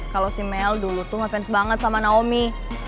kalau si mel dulu tuh ngefans banget sama naomi